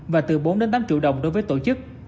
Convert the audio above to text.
và từ bốn tám triệu đồng đối với tổ chức